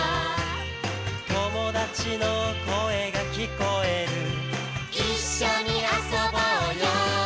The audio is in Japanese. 「友達の声が聞こえる」「一緒に遊ぼうよ」